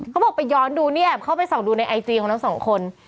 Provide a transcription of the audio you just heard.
เขาบอกไปย้อนดูเนี่ยแอบเข้าไปส่องดูในไอจีของทั้งสองคน